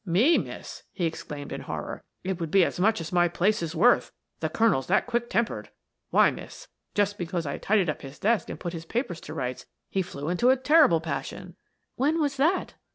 "Me, miss!" he exclaimed in horror. "It would be as much as my place is worth; the colonel's that quick tempered. Why, miss, just because I tidied up his desk and put his papers to rights he flew into a terrible passion." "When was that?"